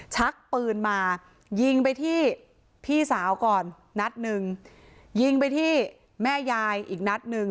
ชักปืนมายิงไปที่พี่สาวก่อนนัดหนึ่งยิงไปที่แม่ยายอีกนัดหนึ่ง